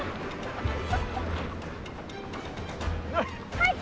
はい！